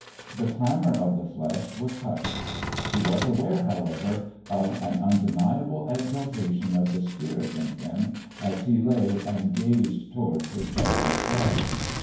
The clamour of the flesh was hushed. He was aware, however, of an undeniable exaltation of the spirit in him, as he lay and gazed towards his cousin's bed....